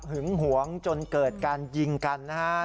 หึงหวงจนเกิดการยิงกันนะฮะ